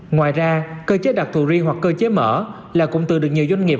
ngoài ra cơ chế đặc thù riêng hoặc cơ chế mở là cũng từ được nhiều doanh nghiệp